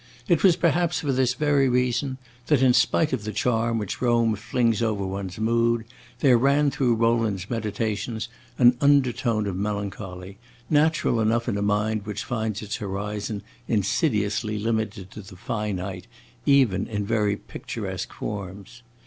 It was perhaps for this very reason that, in spite of the charm which Rome flings over one's mood, there ran through Rowland's meditations an undertone of melancholy, natural enough in a mind which finds its horizon insidiously limited to the finite, even in very picturesque forms.